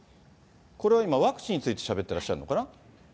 これは今、ワクチンについてしゃべってらっしゃるのかな。